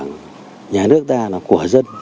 nhà nước ta là của dân